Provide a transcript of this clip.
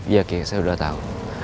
iya oke saya udah tau